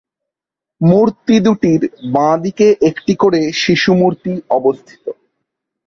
মূর্তি দুটির বাঁ দিকে একটি করে শিশু মূর্তি অবস্থিত।